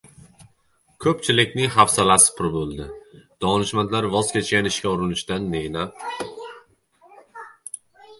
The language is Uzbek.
Koʻpchilikning hafsalasi pir boʻldi: donishmandlar voz kechgan ishga urinishdan ne naf!